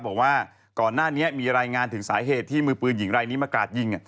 บอกว่าก่อนหน้านี้มีรายงานถึงสาเหตุที่มือปืนหญิงรายนี้มากราดยิง